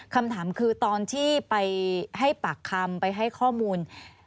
คำถามคือตอนที่ไปให้ปากคำไปให้ข้อมูล